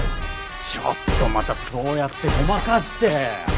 ちょっとまたそうやってごまかして！